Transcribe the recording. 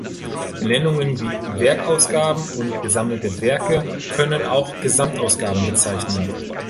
Benennungen wie Werkausgaben und Gesammelte Werke können auch Gesamtausgaben bezeichnen.